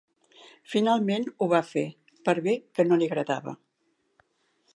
Finalment ho va fer, per bé que no li agradava.